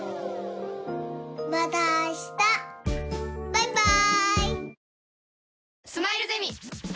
バイバーイ。